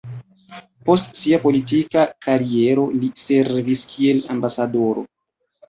Post sia politika kariero li servis kiel ambasadoro.